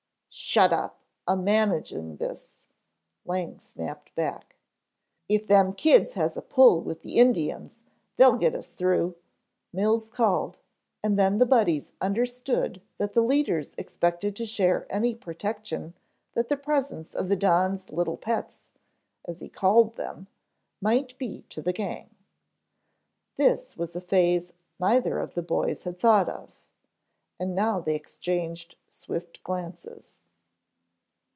"Shut up, I'm managing this," Lang snapped back. "If them kids has a pull with the Indians they'll get us through," Mills called, and then the Buddies understood that the leaders expected to share any protection that the presence of the "Don's little pets" as he called them, might be to the gang. This was a phase neither of the boys had thought of, and now they exchanged swift glances.